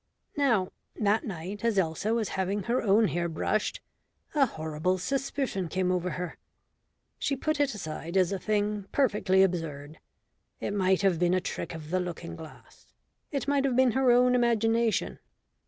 Now, that night, as Elsa was having her own hair brushed, a horrible suspicion came over her. She put it aside as a thing perfectly absurd. It might have been a trick of the looking glass. It might have been her own imagination.